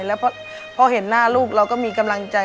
แล้วพอเห็นหน้าลูกเราก็มีกำลังใจ